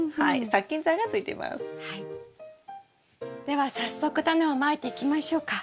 では早速タネをまいていきましょうか。